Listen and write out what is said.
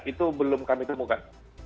itu belum kami temukan